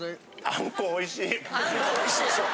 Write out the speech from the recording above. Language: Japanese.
あんこおいしいでしょ！